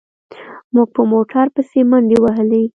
موږ په موټر پسې منډې وهلې.